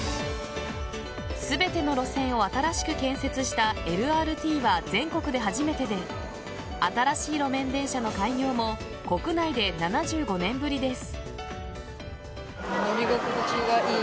全ての路線を新しく建設したＬＲＴは全国で初めてで新しい路面電車の開業も国内で７５年ぶりです。